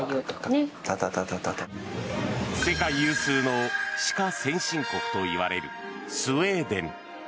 世界有数の歯科先進国といわれるスウェーデン。